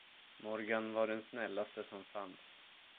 Morgan var den snällaste som fanns.